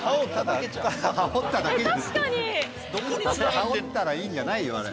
羽織ったらいいんじゃないよあれ。